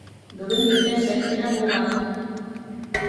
Бөгөн иртәнсәк кенә булған!